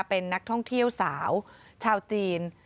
เป็นนักท่องเที่ยวสาวชาวจีน